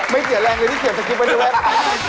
ไม่เสียแรงเลยที่เขียนสกิปไว้ด้วยนะ